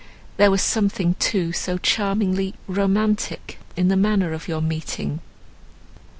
There was something, too, so charmingly romantic in the manner of your meeting!"